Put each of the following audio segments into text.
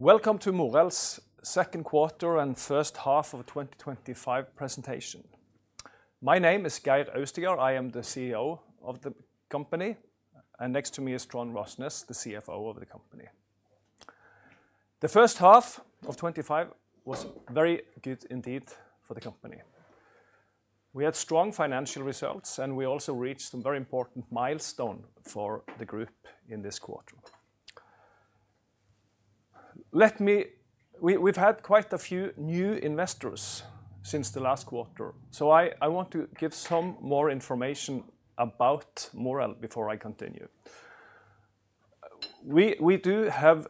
Welcome to Moreld's Second Quarter and First Half of the 2025 Presentation. My name is Geir Austigard, I am the CEO of the company, and next to me is Trond Rosnes, the CFO of the company. The first half of 2025 was very good indeed for the company. We had strong financial results, and we also reached some very important milestones for the group in this quarter. We've had quite a few new investors since the last quarter, so I want to give some more information about Moreld before I continue. We do have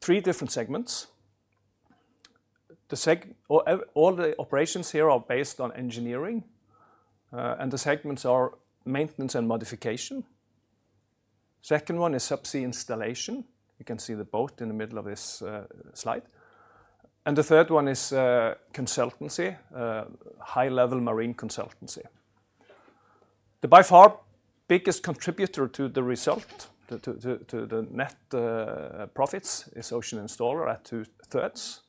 three different segments. All the operations here are based on engineering, and the segments are maintenance and modification. The second one is subsea installation. You can see the boat in the middle of this slide. The third one is consultancy, high-level marine consultancy. The by far biggest contributor to the result, to the net profits, is Ocean Installer at two thirds.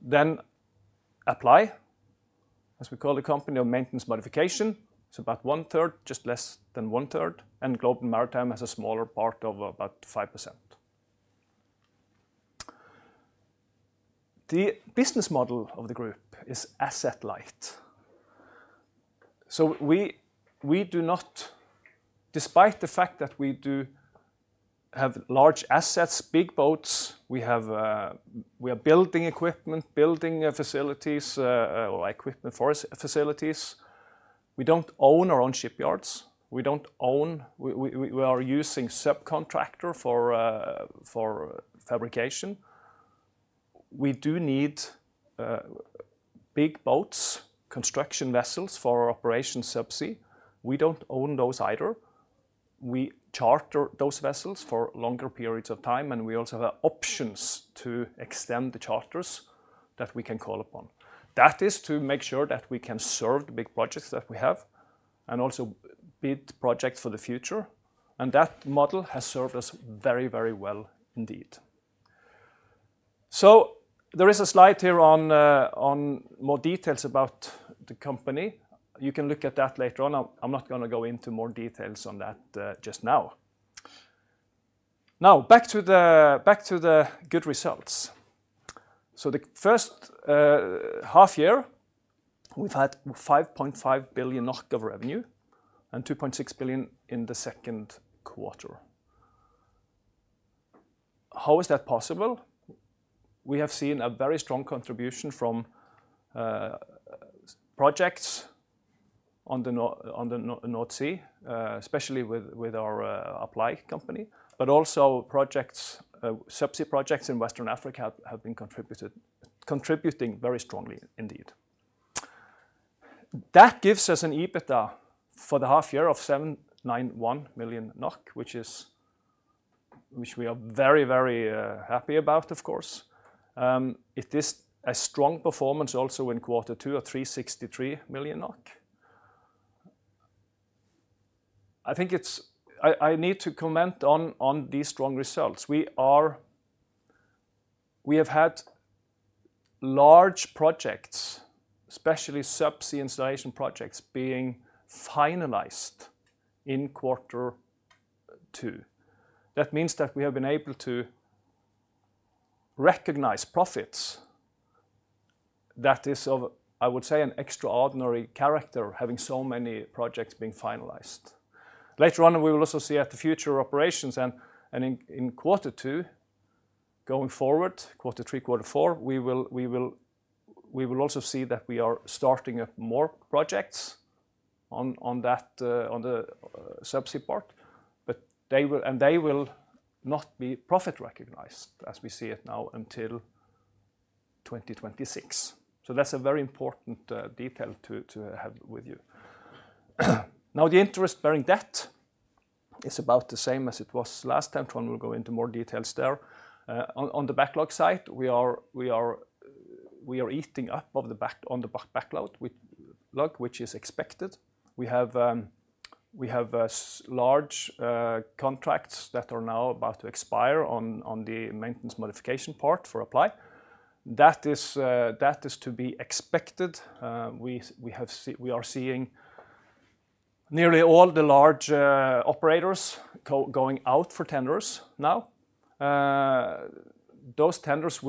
Then Apply, as we call the company, on maintenance and modification, it's about one third, just less than one third, and Global Maritime has a smaller part of about 5%. The business model of the group is asset light. We do not, despite the fact that we do have large assets, big boats, we are building equipment, building facilities, or equipment for facilities. We don't own our own shipyards. We don't own, we are using subcontractors for fabrication. We do need big boats, construction vessels for our operations subsea. We don't own those either. We charter those vessels for longer periods of time, and we also have options to extend the charters that we can call upon. That is to make sure that we can serve the big projects that we have and also bid projects for the future. That model has served us very, very well indeed. There is a slide here on more details about the company. You can look at that later on. I'm not going to go into more details on that just now. Now, back to the good results. The first half year, we've had 5.5 billion NOK of revenue and 2.6 billion in the second quarter. How is that possible? We have seen a very strong contribution from projects on the North Sea, especially with our Apply company, but also projects, subsea projects in West Africa have been contributing very strongly indeed. That gives us an EBITDA for the half year of 791 million NOK, which we are very, very happy about, of course. It is a strong performance also in quarter two of 363 million NOK. I think it's, I need to comment on these strong results. We have had large projects, especially subsea installation projects, being finalized in quarter two. That means that we have been able to recognize profits. That is of, I would say, an extraordinary character, having so many projects being finalized. Later on, we will also see at the future of operations, and in quarter two, going forward, quarter three, quarter four, we will also see that we are starting up more projects on that, on the subsea part, and they will not be profit recognized as we see it now until 2026. That's a very important detail to have with you. Now, the interest-bearing debt is about the same as it was last time. Trond will go into more details there. On the backlog side, we are eating up on the backlog, which is expected. We have large contracts that are now about to expire on the maintenance and modification part for Apply. That is to be expected. We are seeing nearly all the large operators going out for tenders now. Those tenders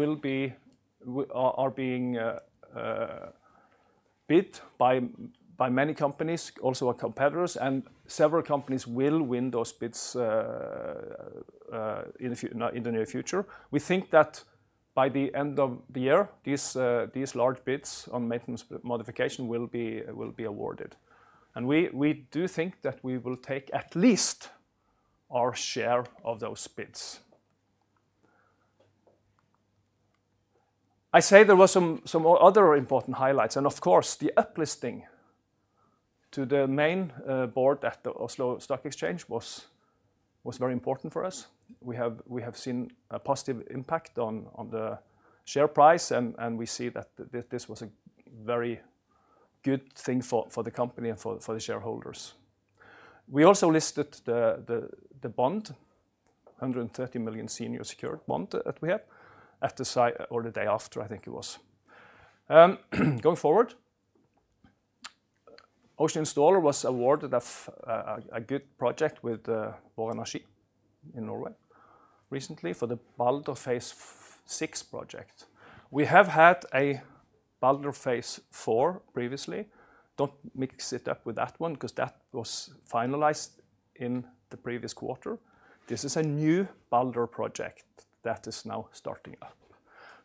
are being bid by many companies, also our competitors, and several companies will win those bids in the near future. We think that by the end of the year, these large bids on maintenance and modification will be awarded. We do think that we will take at least our share of those bids. There were some other important highlights, and of course, the uplisting to the main board at the Oslo Stock Exchange was very important for us. We have seen a positive impact on the share price, and we see that this was a very good thing for the company and for the shareholders. We also listed the bond, 130 million senior secured bond that we had at the site, or the day after, I think it was. Going forward, Ocean Installer was awarded a good project with Vågerneski in Norway recently for the Balder Phase VI project. We have had a Balder Phase V previously. Don't mix it up with that one because that was finalized in the previous quarter. This is a new Balder project that is now starting up.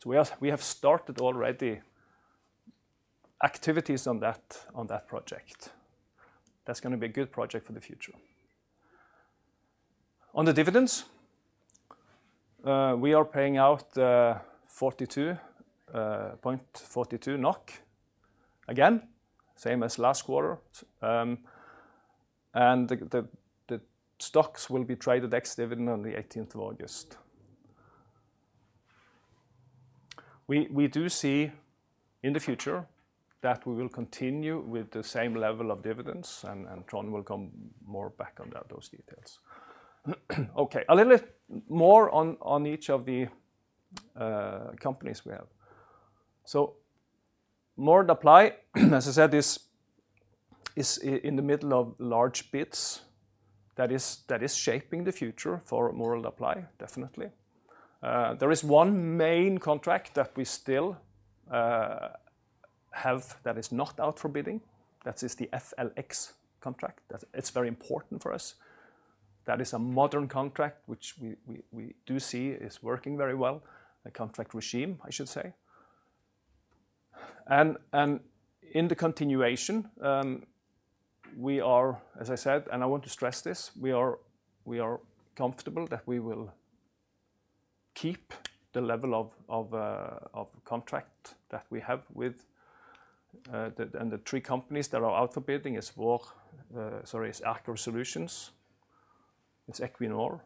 We have started already activities on that project. That's going to be a good project for the future. On the dividends, we are paying out 42.42 NOK. Again, same as last quarter. The stocks will be traded ex-dividend on the 18th of August. We do see in the future that we will continue with the same level of dividends, and Trond will come more back on those details. Okay, a little bit more on each of the companies we have. Moreld Apply, as I said, is in the middle of large bids that is shaping the future for Moreld Apply, definitely. There is one main contract that we still have that is not out for bidding. That is the FLX contract. It's very important for us. That is a modern contract which we do see is working very well, a contract regime, I should say. In the continuation, we are, as I said, and I want to stress this, we are comfortable that we will keep the level of contract that we have with the three companies that are out for bidding. It's Aker Solutions, it's Equinor,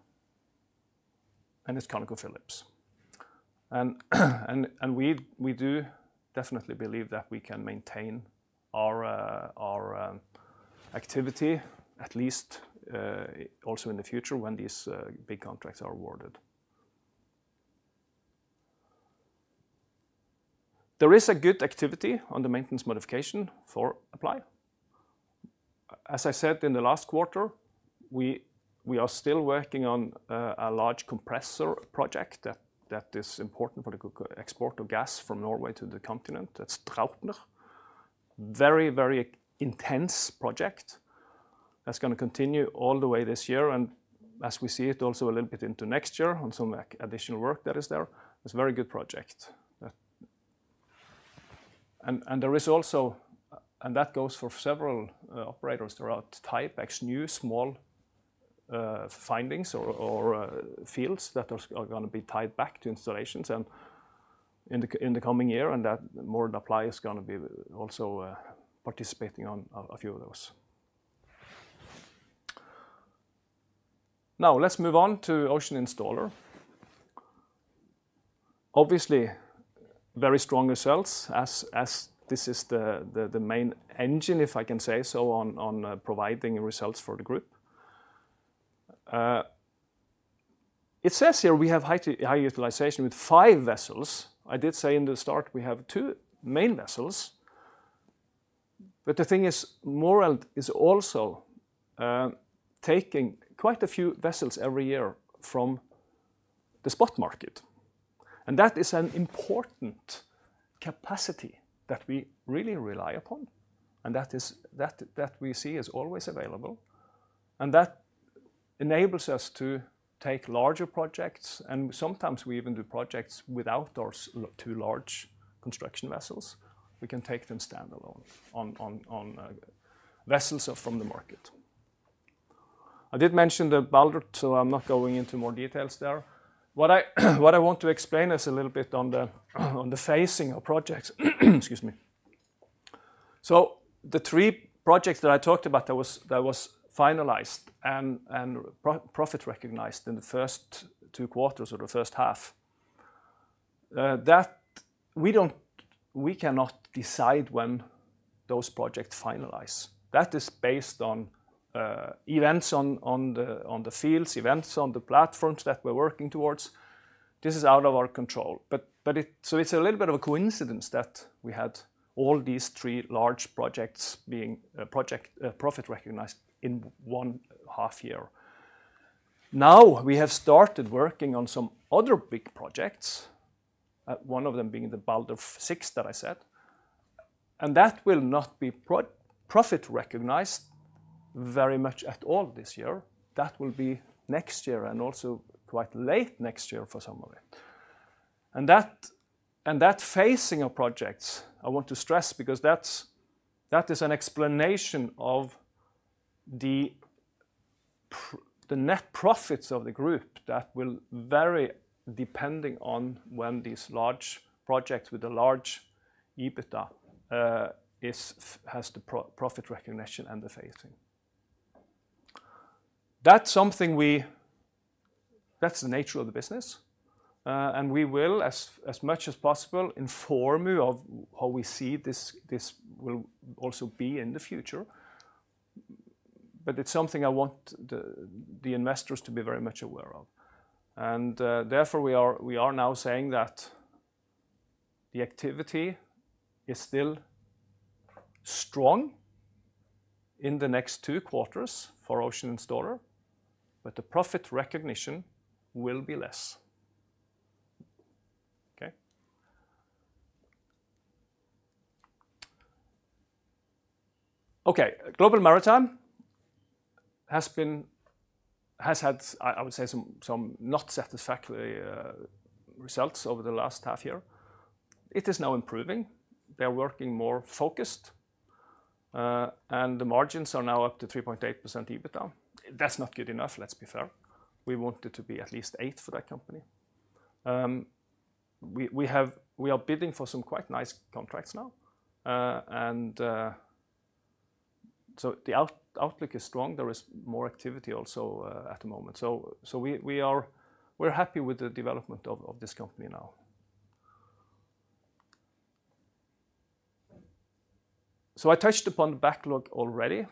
and it's ConocoPhillips. We do definitely believe that we can maintain our activity at least also in the future when these big contracts are awarded. There is a good activity on the maintenance modification for Apply. As I said in the last quarter, we are still working on a large compressor project that is important for the export of gas from Norway to the continent. That's Trautner. Very, very intense project that's going to continue all the way this year. As we see it, also a little bit into next year on some additional work that is there. It's a very good project. There is also, and that goes for several operators throughout the type, new small findings or fields that are going to be tied back to installations in the coming year, and that Moreld Apply is going to be also participating on a few of those. Now, let's move on to Ocean Installer. Obviously, very strong results as this is the main engine, if I can say so, on providing results for the group. It says here we have high utilization with five vessels. I did say in the start we have two main vessels. The thing is, Moreld is also taking quite a few vessels every year from the spot market. That is an important capacity that we really rely upon. That is that we see is always available. That enables us to take larger projects, and sometimes we even do projects without those two large construction vessels. We can take them standalone on vessels from the market. I did mention the Balder, so I'm not going into more details there. What I want to explain is a little bit on the phasing of projects. Excuse me. The three projects that I talked about that was finalized and profit recognized in the first two quarters of the first half, we cannot decide when those projects finalize. That is based on events on the fields, events on the platforms that we're working towards. This is out of our control. It's a little bit of a coincidence that we had all these three large projects being profit recognized in one half year. We have started working on some other big projects, one of them being the Balder VI that I said. That will not be profit recognized very much at all this year. That will be next year and also quite late next year for some of it. The phasing of projects, I want to stress because that is an explanation of the net profits of the group that will vary depending on when these large projects with a large EBITDA have the profit recognition and the phasing. That's the nature of the business. We will, as much as possible, inform you of how we see this will also be in the future. It's something I want the investors to be very much aware of. Therefore, we are now saying that the activity is still strong in the next two quarters for Ocean Installer, but the profit recognition will be less. Global Maritime has had, I would say, some not satisfactory results over the last half year. It is now improving. They're working more focused, and the margins are now up to 3.8% EBITDA. That's not good enough, let's be fair. We want it to be at least 8% for that company. We are bidding for some quite nice contracts now, and the outlook is strong. There is more activity also at the moment. We're happy with the development of this company now. I touched upon the backlog already.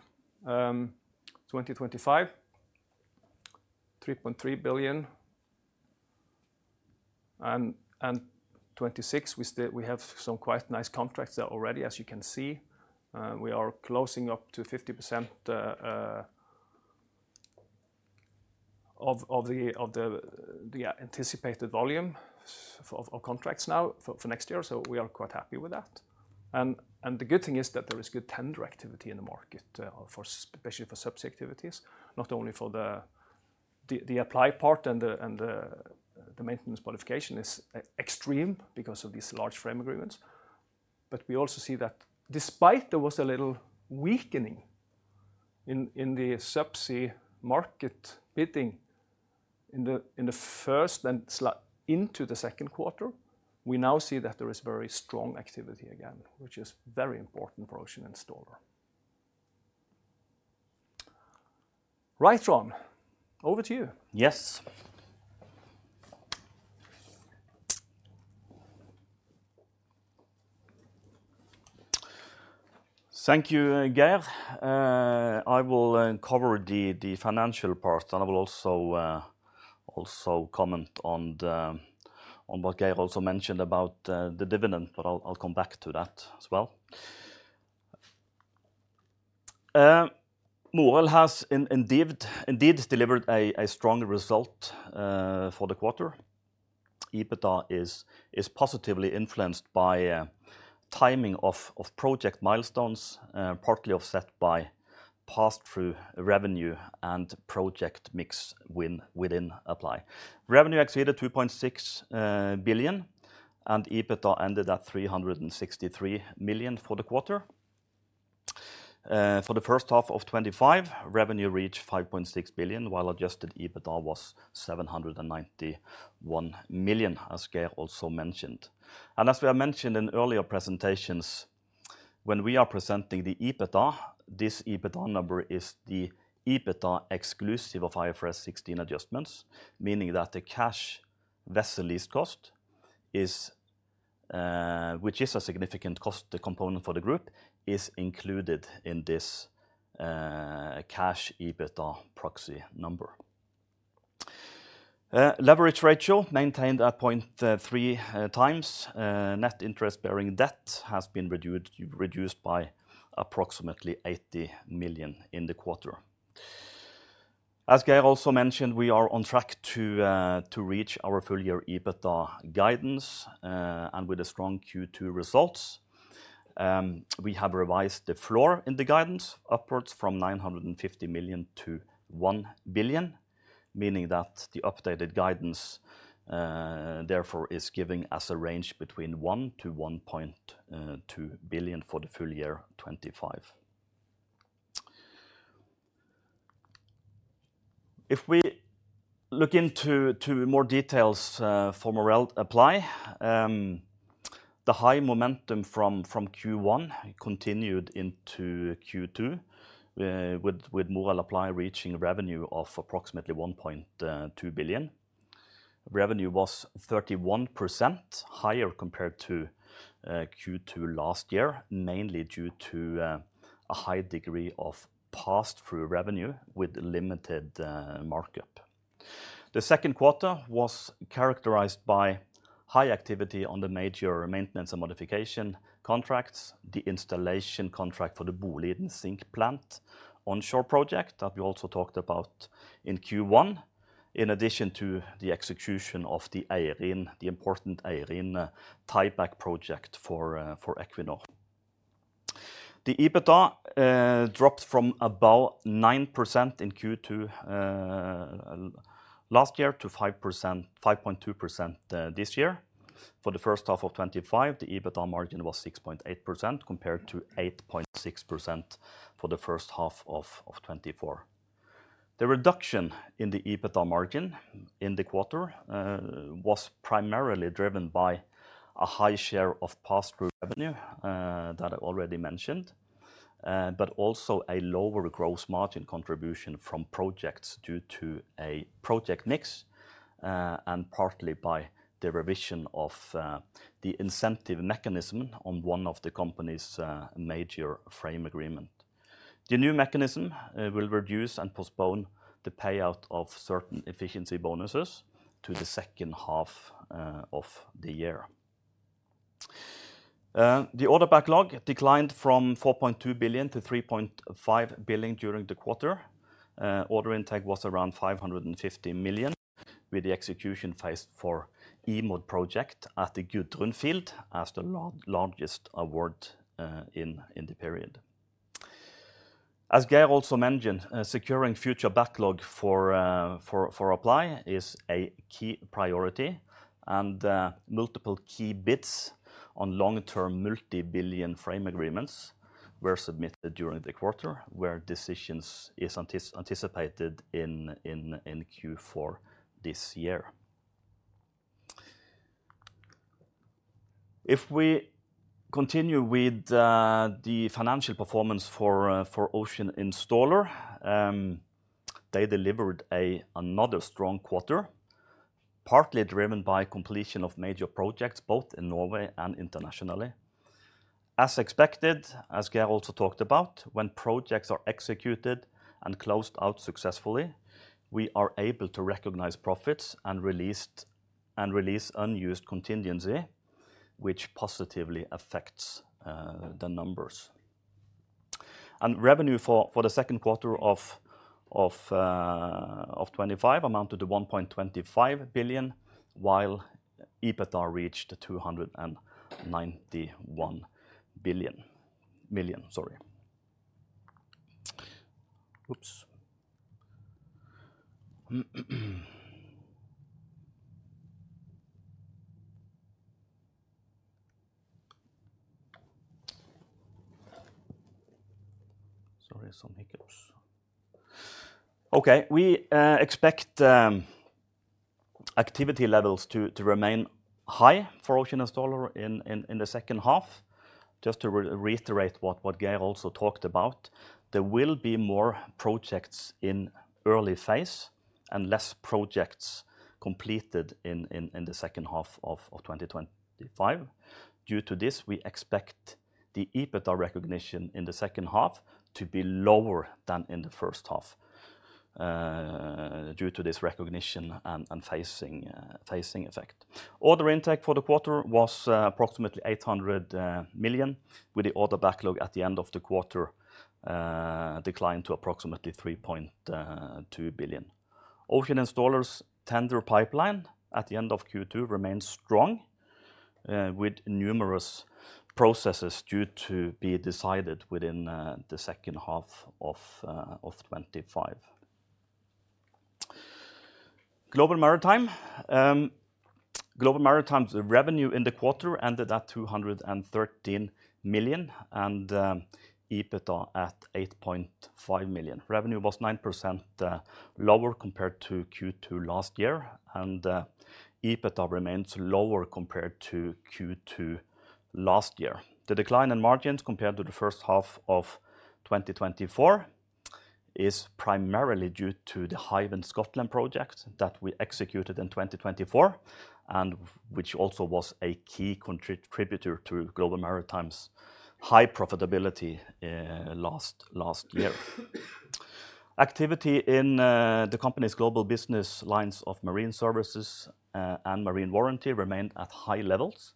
2025, $3.3 billion. In 2026, we have some quite nice contracts there already, as you can see. We are closing up to 50% of the anticipated volume of contracts now for next year. We are quite happy with that. The good thing is that there is good tender activity in the market, especially for subsea activities. Not only for the Apply part and the maintenance and modification is extreme because of these large frame agreements. We also see that despite there was a little weakening in the subsea market bidding in the first and into the second quarter, we now see that there is very strong activity again, which is very important for Ocean Installer. Right, Trond, over to you. Yes. Thank you, Geir. I will cover the financial part, and I will also comment on what Geir also mentioned about the dividend, but I'll come back to that as well. Moreld has indeed delivered a strong result for the quarter. EBITDA is positively influenced by the timing of project milestones, partly offset by pass-through revenue and project mix within Apply. Revenue exceeded 2.6 billion, and EBITDA ended at 363 million for the quarter. For the first half of 2025, revenue reached 5.6 billion, while adjusted EBITDA was 791 million, as Geir also mentioned. As we have mentioned in earlier presentations, when we are presenting the EBITDA, this EBITDA number is the EBITDA exclusive of IFRS 16 adjustments, meaning that the cash vessel lease cost, which is a significant cost component for the group, is included in this cash EBITDA proxy number. Leverage ratio maintained at 0.3x. Net interest-bearing debt has been reduced by approximately 80 million in the quarter. As Geir also mentioned, we are on track to reach our full-year EBITDA guidance, and with a strong Q2 result, we have revised the floor in the guidance upwards from 950 million to 1 billion, meaning that the updated guidance therefore is giving us a range between 1 billion to 1.2 billion for the full year 2025. If we look into more details for Moreld Apply, the high momentum from Q1 continued into Q2 with Moreld Apply reaching a revenue of approximately 1.2 billion. Revenue was 31% higher compared to Q2 last year, mainly due to a high degree of pass-through revenue with limited markup. The second quarter was characterized by high activity on the major maintenance and modification contracts, the installation contract for the Boliden sink plant onshore project that we also talked about in Q1, in addition to the execution of the important Aireen tieback project for Equinor. The EBITDA dropped from about 9% in Q2 last year to 5.2% this year. For the first half of 2025, the EBITDA margin was 6.8% compared to 8.6% for the first half of 2024. The reduction in the EBITDA margin in the quarter was primarily driven by a high share of pass-through revenue that I already mentioned, but also a lower gross margin contribution from projects due to a project mix and partly by the revision of the incentive mechanism on one of the company's major frame agreements. The new mechanism will reduce and postpone the payout of certain efficiency bonuses to the second half of the year. The order backlog declined from 4.2 billion to 3.5 billion during the quarter. Order intake was around 550 million with the execution phase for E-Mod project at the Gudrun field as the largest award in the period. As Geir also mentioned, securing future backlog for Apply is a key priority, and multiple key bids on long-term multi-billion frame agreements were submitted during the quarter where decisions are anticipated in Q4 this year. If we continue with the financial performance for Ocean Installer, they delivered another strong quarter, partly driven by completion of major projects, both in Norway and internationally. As expected, as Geir also talked about, when projects are executed and closed out successfully, we are able to recognize profits and release unused contingency, which positively affects the numbers. Revenue for the second quarter of 2025 amounted to 1.25 billion, while EBITDA reached 291 million. Sorry, some hiccups. We expect activity levels to remain high for Ocean Installer in the second half. Just to reiterate what Geir also talked about, there will be more projects in early phase and less projects completed in the second half of 2025. Due to this, we expect the EBITDA recognition in the second half to be lower than in the first half due to this recognition and phasing effect. Order intake for the quarter was approximately 800 million, with the order backlog at the end of the quarter declined to approximately 3.2 billion. Ocean Installer's tender pipeline at the end of Q2 remains strong with numerous processes due to be decided within the second half of 2025. Global Maritime's revenue in the quarter ended at 213 million and EBITDA at 8.5 million. Revenue was 9% lower compared to Q2 last year, and EBITDA remains lower compared to Q2 last year. The decline in margins compared to the first half of 2024 is primarily due to the Hive in Scotland project that we executed in 2024, and which also was a key contributor to Global Maritime's high profitability last year. Activity in the company's global business lines of marine services and marine warranty remained at high levels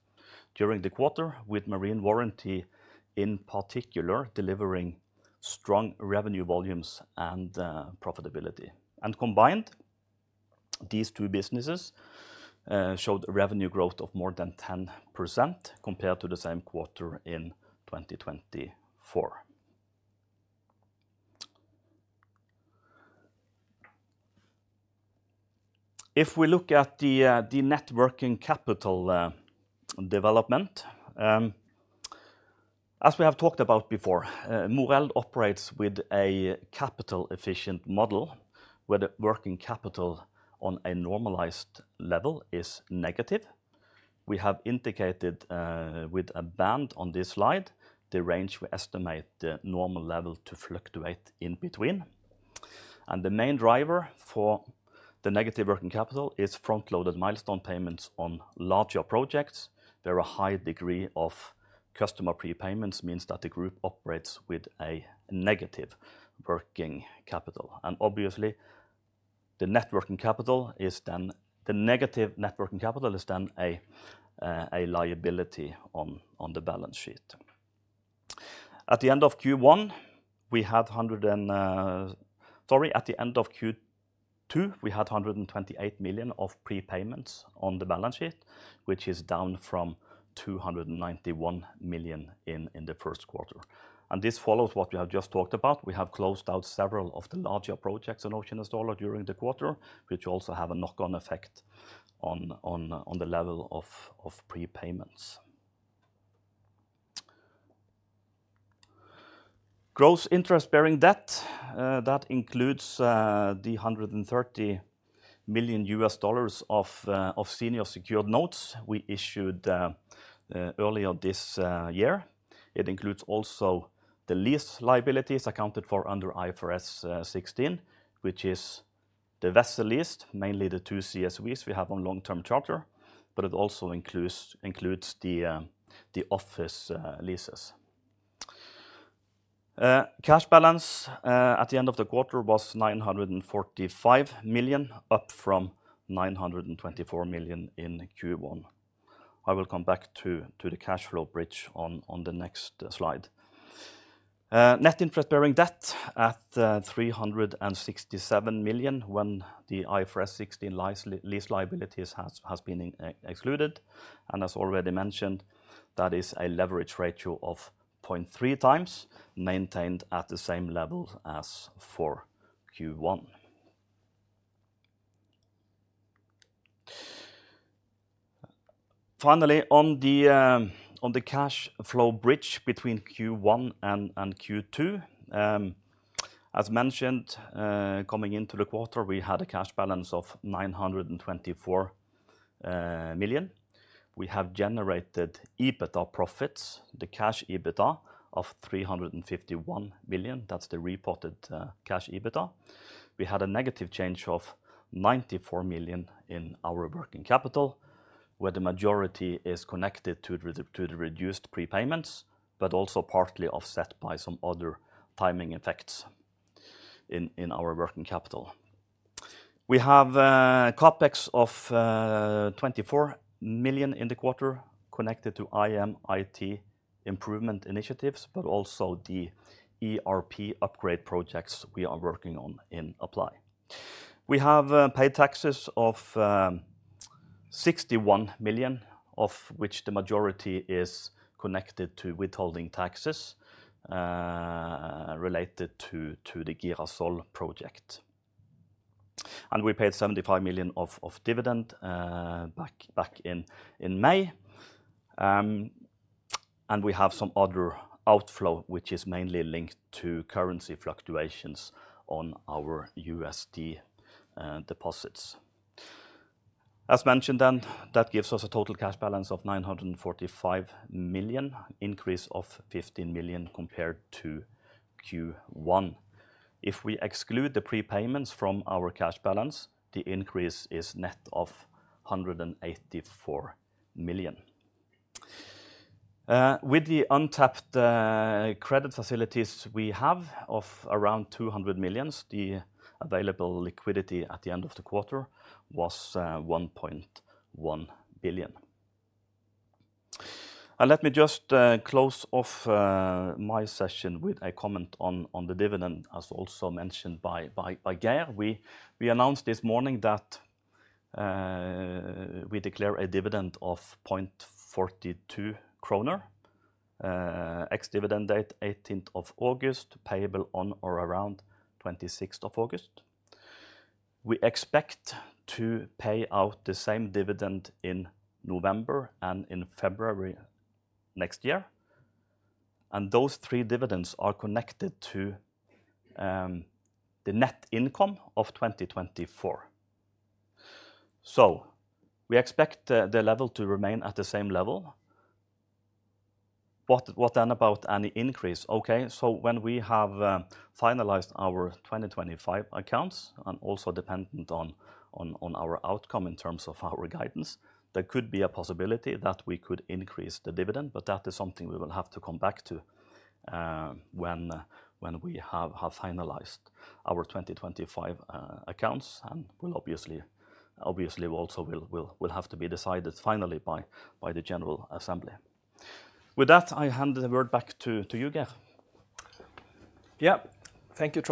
during the quarter, with marine warranty in particular delivering strong revenue volumes and profitability. Combined, these two businesses showed revenue growth of more than 10% compared to the same quarter in 2024. If we look at the networking capital development, as we have talked about before, Moreld operates with a capital-efficient model where the working capital on a normalized level is negative. We have indicated with a band on this slide the range we estimate the normal level to fluctuate in between. The main driver for the negative working capital is front-loaded milestone payments on larger projects, where a high degree of customer prepayments means that the group operates with a negative working capital. Obviously, the negative working capital is then a liability on the balance sheet. At the end of Q2, we had $128 million of prepayments on the balance sheet, which is down from $291 million in the First Quarter. This follows what we have just talked about. We have closed out several of the larger projects in Ocean Installer during the quarter, which also have a knock-on effect on the level of prepayments. Gross interest-bearing debt includes the $130 million of senior secured notes we issued earlier this year. It also includes the lease liabilities accounted for under IFRS 16, which is the vessel lease, mainly the two construction support vessels we have on long-term charter, but it also includes the office leases. Cash balance at the end of the quarter was $945 million, up from $924 million in Q1. I will come back to the cash flow bridge on the next slide. Net interest-bearing debt at $367 million when the IFRS 16 lease liabilities have been excluded. As already mentioned, that is a leverage ratio of 0.3x, maintained at the same level as for Q1. Finally, on the cash flow bridge between Q1 and Q2, as mentioned, coming into the quarter, we had a cash balance of $924 million. We have generated EBITDA profits, the cash EBITDA of $351 million. That's the reported cash EBITDA. We had a negative change of $94 million in our working capital, where the majority is connected to the reduced prepayments, but also partly offset by some other timing effects in our working capital. We have a CapEx of $24 million in the quarter connected to IM IT improvement initiatives, but also the ERP upgrade projects we are working on in Moreld Apply. We have paid taxes of $61 million, of which the majority is connected to withholding taxes related to the Girasol project. We paid $75 million of dividend back in May. We have some other outflow, which is mainly linked to currency fluctuations on our USD deposits. As mentioned, that gives us a total cash balance of $945 million, an increase of $15 million compared to Q1. If we exclude the prepayments from our cash balance, the increase is net of $184 million. With the untapped credit facilities we have of around 200 million, the available liquidity at the end of the quarter was 1.1 billion. Let me just close off my session with a comment on the dividend, as also mentioned by Geir. We announced this morning that we declare a dividend of 0.42 kroner, ex-dividend date 18th of August, payable on or around 26th of August. We expect to pay out the same dividend in November and in February next year. Those three dividends are connected to the net income of 2024. We expect the level to remain at the same level. What then about any increase? When we have finalized our 2025 accounts and also dependent on our outcome in terms of our guidance, there could be a possibility that we could increase the dividend, but that is something we will have to come back to when we have finalized our 2025 accounts and will obviously also have to be decided finally by the General Assembly. With that, I hand the word back to you, Geir. Thank you,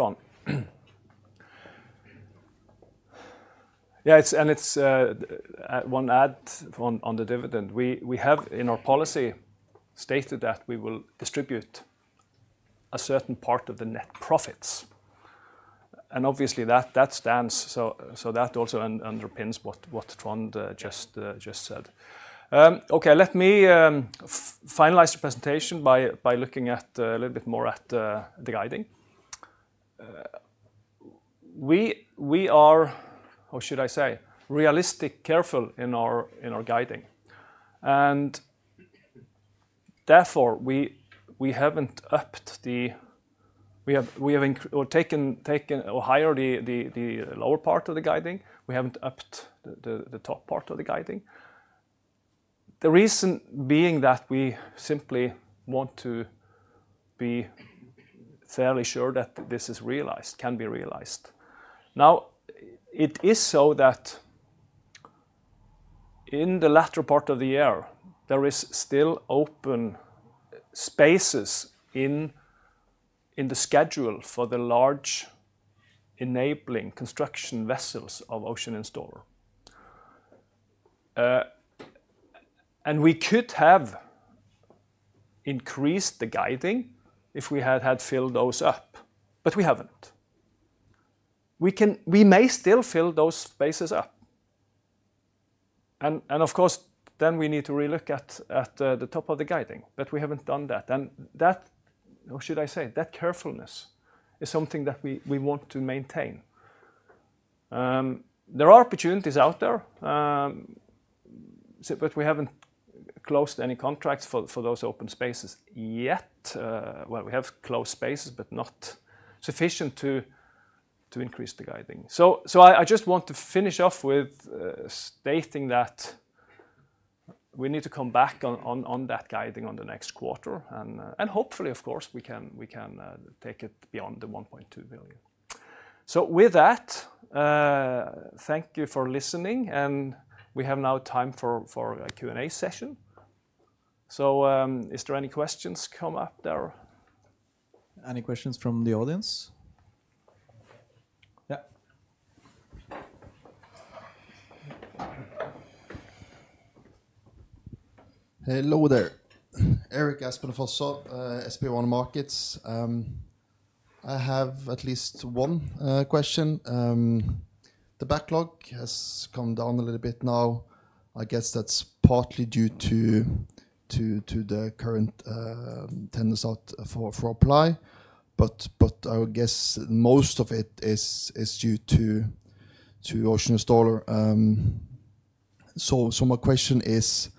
Trond. One add on the dividend. We have in our policy stated that we will distribute a certain part of the net profits. Obviously, that stands, so that also underpins what Trond just said. Let me finalize the presentation by looking a little bit more at the guiding. We are, how should I say, realistic careful in our guiding. Therefore, we haven't upped the, we have taken or higher the lower part of the guiding. We haven't upped the top part of the guiding. The reason being that we simply want to be fairly sure that this is realized, can be realized. It is so that in the latter part of the year, there are still open spaces in the schedule for the large enabling construction vessels of Ocean Installer. We could have increased the guiding if we had had filled those up, but we haven't. We may still fill those spaces up. Of course, then we need to relook at the top of the guiding, but we haven't done that. That carefulness is something that we want to maintain. There are opportunities out there, but we haven't closed any contracts for those open spaces yet. We have closed spaces, but not sufficient to increase the guiding. I just want to finish off with stating that we need to come back on that guiding on the next quarter. Hopefully, of course, we can take it beyond the 1.2 billion. With that, thank you for listening, and we have now time for a Q&A session. Is there any questions come up there? Any questions from the audience? Yeah. Hello there. Erik Aspen Fosså, SB1 Markets. I have at least one question. The backlog has come down a little bit now. I guess that's partly due to the current tenders out for Apply. I would guess most of it is due to Ocean Installer. My question is,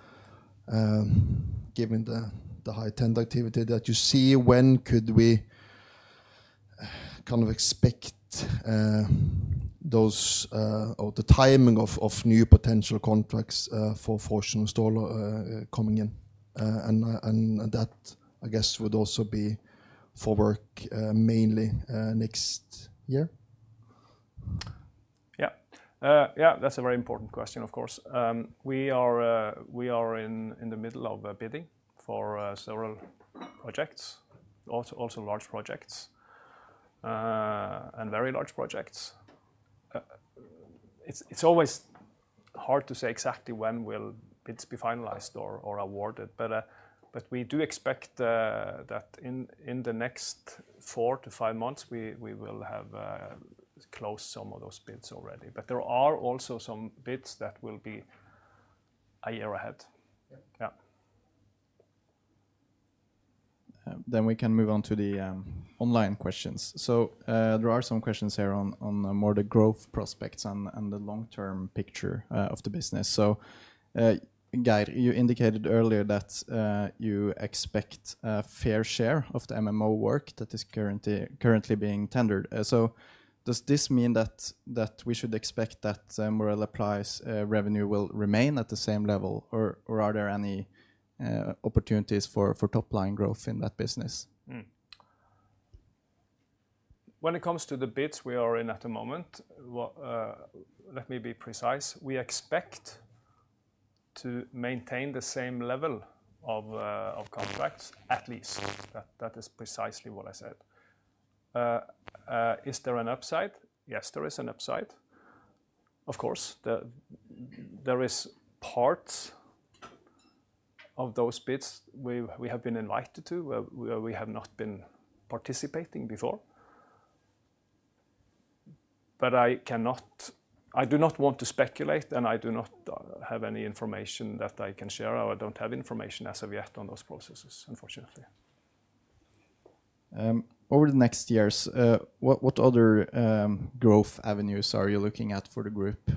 given the high tender activity that you see, when could we kind of expect those or the timing of new potential contracts for Ocean Installer coming in? I guess that would also be for work mainly next year. Yeah, that's a very important question, of course. We are in the middle of bidding for several projects, also large projects and very large projects. It's always hard to say exactly when will bids be finalized or awarded. We do expect that in the next four to five months, we will have closed some of those bids already. There are also some bids that will be a year ahead. Yeah. We can move on to the online questions. There are some questions here on more of the growth prospects and the long-term picture of the business. Geir, you indicated earlier that you expect a fair share of the MMO work that is currently being tendered. Does this mean that we should expect that Moreld Apply's revenue will remain at the same level, or are there any opportunities for top-line growth in that business? When it comes to the bids we are in at the moment, let me be precise. We expect to maintain the same level of contracts, at least. That is precisely what I said. Is there an upside? Yes, there is an upside. Of course, there are parts of those bids we have been invited to where we have not been participating before. I do not want to speculate, and I do not have any information that I can share, or I don't have information as of yet on those processes, unfortunately. Over the next years, what other growth avenues are you looking at for the group?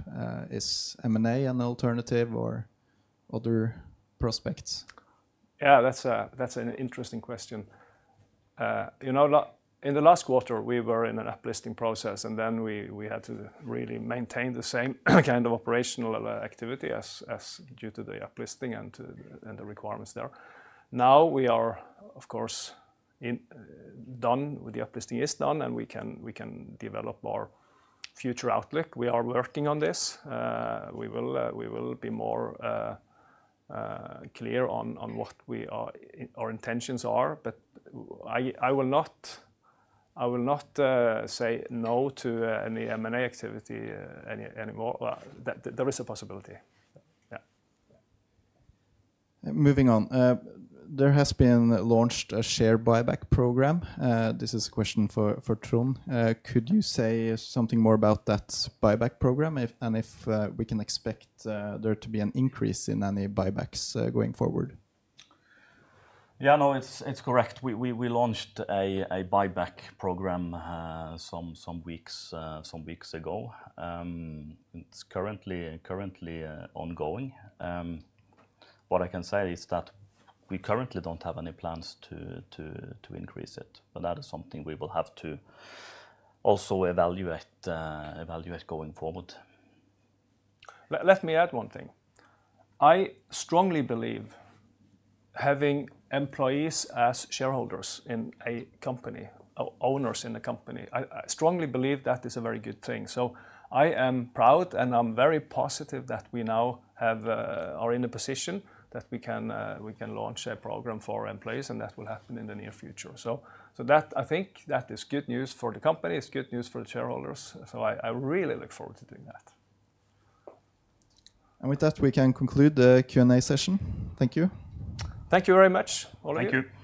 Is M&A an alternative or other prospects? Yeah, that's an interesting question. In the last quarter, we were in an uplisting process, and we had to really maintain the same kind of operational activity due to the uplisting and the requirements there. Now we are, of course, done with the uplisting, and we can develop our future outlook. We are working on this. We will be more clear on what our intentions are, but I will not say no to any M&A activity anymore. There is a possibility. Yeah. Moving on, there has been launched a share buyback program. This is a question for Trond. Could you say something more about that buyback program and if we can expect there to be an increase in any buybacks going forward? Yeah, no, it's correct. We launched a share buyback program some weeks ago. It's currently ongoing. What I can say is that we currently don't have any plans to increase it. That is something we will have to also evaluate going forward. Let me add one thing. I strongly believe having employees as shareholders in a company, owners in a company, I strongly believe that is a very good thing. I am proud and I'm very positive that we now are in a position that we can launch a program for employees, and that will happen in the near future. I think that is good news for the company. It's good news for the shareholders. I really look forward to doing that. With that, we can conclude the Q&A session. Thank you. Thank you very much. Thank you.